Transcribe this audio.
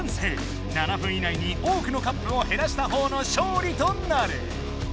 ７分いないに多くのカップを減らした方のしょうりとなる。